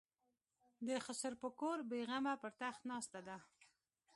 د خسر په کور بېغمه پر تخت ناسته ده.